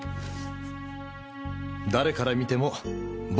誰から見ても僕が犯人。